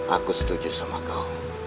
aku setuju sama kau